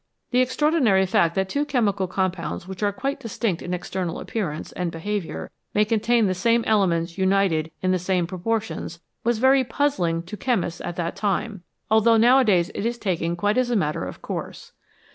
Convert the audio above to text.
The extra ordinary fact that two chemical compounds which are quite distinct in external appearance and behaviour may contain the same elements united in the same proportions was very puzzling to chemists at that time, although nowadays it is taken quite as a matter of course.